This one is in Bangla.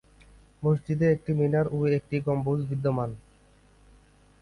মসজিদে একটি মিনার ও একটি গম্বুজ বিদ্যমান।